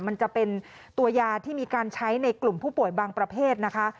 มันจะเป็นตัวยาที่มีการใช้ในกลุ่มผู้ป่วยบางประเภทนะคะ